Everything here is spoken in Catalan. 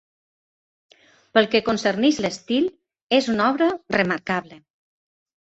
Pel que concerneix l'estil, és una obra remarcable.